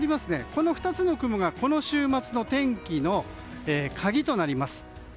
この２つの雲がこの週末の天気の鍵となります。